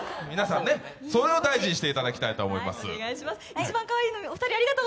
それを大事にしていただきたいと思います。